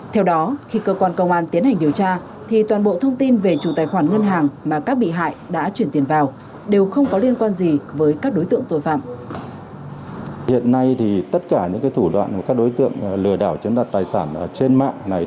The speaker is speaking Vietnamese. theo đó khi cơ quan công an tiến hành điều tra thì toàn bộ thông tin về chủ tài khoản ngân hàng mà các bị hại đã chuyển tiền vào đều không có liên quan gì với các đối tượng tội phạm